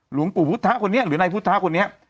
หลวงปู่พุทธะคนนี้หรือนายพุทธคนนี้